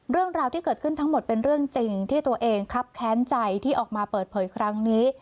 เรื่องราวที่เกิดขึ้นทั้งหมดเป็นเรื่องจริงที่ตัวเองครับแค้นใจที่ออกมาเปิดเผยครั้งนี้